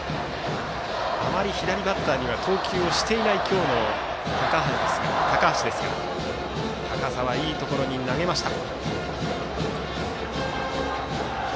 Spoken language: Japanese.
あまり左バッターには投球をしていない高橋ですが高さはいいところに投げました。